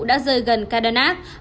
đã rơi gần kadanak